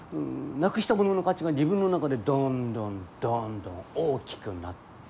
なくしたものの価値が自分の中でどんどんどんどん大きくなる。